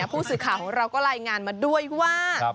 ผู้สื่อข่าวของเราก็รายงานมาด้วยว่า